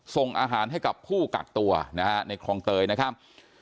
ส่งอาหารให้กับผู้กักตัวนะฮะในคลองเตยนะครับ